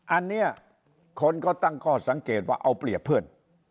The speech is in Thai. อันนี้คนก็ตั้งข้อสังเกตว่าเอาเปรียบเพื่อน